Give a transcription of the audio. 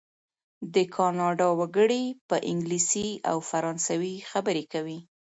د کانادا وګړي په انګلیسي او فرانسوي خبرې کوي.